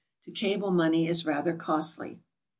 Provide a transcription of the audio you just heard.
To cable money is rather costly.